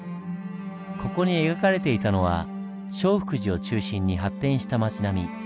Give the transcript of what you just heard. ここに描かれていたのは聖福寺を中心に発展した町並み。